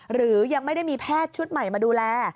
หรือยังไม่ได้มีแพทย์ชุดใหม่มาดูแล